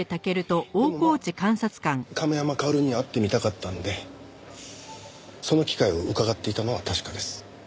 でもまあ亀山薫には会ってみたかったのでその機会をうかがっていたのは確かです。